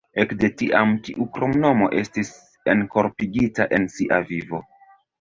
Ekde tiam tiu kromnomo estis enkorpigita en sia vivo.